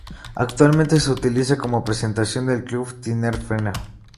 Actualmente se utiliza como presentación del club tinerfeño.